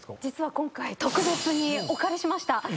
実は今回特別にお借りしました。